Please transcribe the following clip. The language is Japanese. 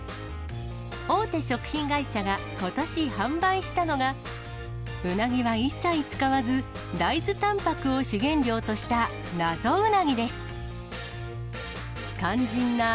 大手食品会社がことし販売したのが、うなぎは一切使わず、大豆たんぱくを主原料とした謎うなぎです。